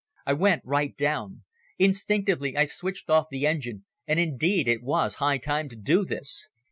I went right down. Instinctively I switched off the engine and indeed it was high time to do this.